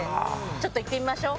ちょっと行ってみましょう。